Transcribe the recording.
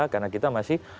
karena kita masih